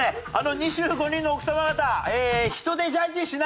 ２５人の奥さま方。